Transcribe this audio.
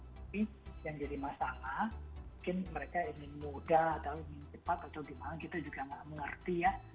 tapi yang jadi masalah mungkin mereka ingin mudah atau ingin cepat atau gimana kita juga nggak mengerti ya